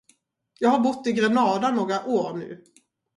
Jag har bott i Grenada några år nu.